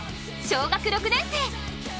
小学６年生。